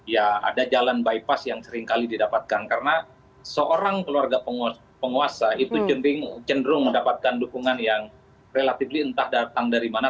ya ada jalan bypass yang seringkali didapatkan karena seorang keluarga penguasa itu cenderung mendapatkan dukungan yang relatifly entah datang dari mana